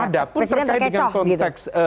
ada pun terkait dengan konteks